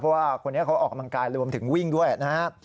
เพราะว่าคนนี้เขาออกกำลังกายรวมถึงวิ่งด้วยนะครับ